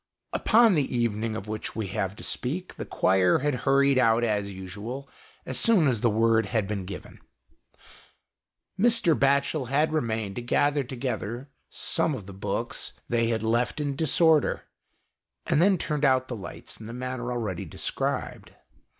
Upon the evening of which we have to speak, the choir had hurried out as usual, as soon as the word had been given. Mr. Batchel had remained to gather together some of the books 66 GHOST TALES. they had left in disorder, and then turned out the lights in the manner already described.